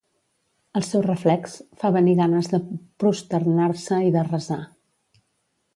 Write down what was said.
El seu reflex fa venir ganes de prosternar-se i de resar.